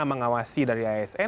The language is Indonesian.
mengawasi dari asn